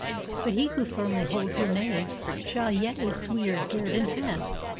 But he who firmly holds the knaveShall yet a sweeter guerdon have.